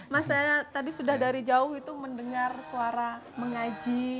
mas saya tadi sudah dari jauh itu mendengar suara mengaji